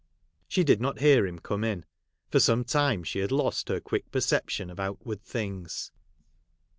She did not hear him come in ; for some tune she had lost her quick perception of outward things.